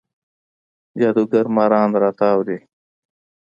جادوګر ماران راتاو دی